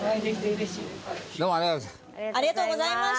ありがとうございます。